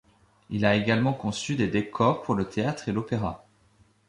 Il a également conçu des décors pour le théâtre et l'Opéra.